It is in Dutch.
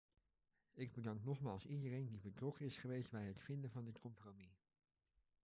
Ik bedank nogmaals iedereen die betrokken is geweest bij het vinden van dit compromis.